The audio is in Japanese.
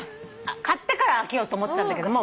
買ってから開けようと思ってたんだけども。